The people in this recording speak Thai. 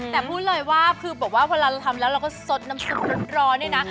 แต่พูดเลยว่าคือบอกว่าเวลาเราทำแล้วเราก็สดน้ำซุปร้อนเนี่ยนะ